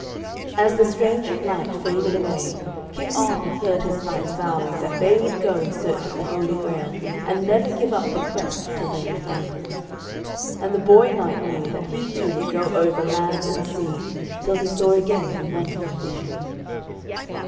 As the strange light faded away, King Arthur heard his knights vowing that they would go in search of the Holy Grail, and never give up the quest till they had found it. And the boy knight knew that he too would go over land and sea, till he saw again the wonderful vision.